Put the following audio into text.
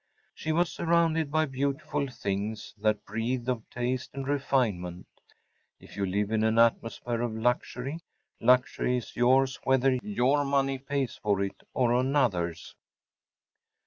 She was surrounded by beautiful things that breathed of taste and refinement. If you live in an atmosphere of luxury, luxury is yours whether your money pays for it, or another’s.